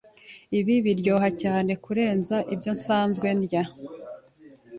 Ibi biryoha cyane kurenza ibyo nsanzwe ndya.